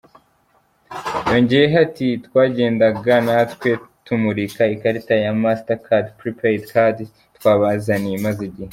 Yongeyeho ati "Twagendaga natwe tumurika ikarita ya "Mastercard Prepaid Card" twabazaniye, imaze igihe.